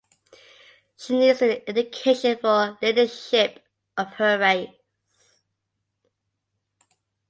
She needs an education for leadership of her race.